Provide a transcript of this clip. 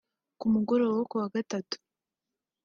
Ku mugoroba wo ku wa gatatu